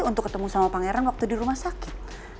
untuk ketemu sama pangeran waktu di rumah sakit